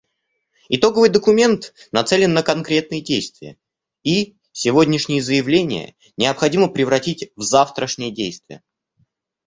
Итоговый документ нацелен на конкретные действия, и сегодняшние заявления необходимо превратить в завтрашние действия.